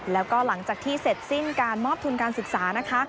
แล้วก็หลังจากที่เสร็จสิ้นการมอบทุนการศึกษานะคะ